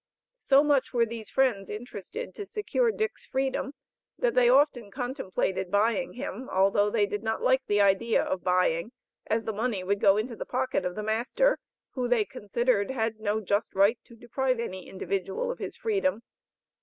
So much were these friends interested to secure Dick's freedom, that they often contemplated buying him, although they did not like the idea of buying, as the money would go into the pocket of the master, who they considered had no just right to deprive any individual of his freedom.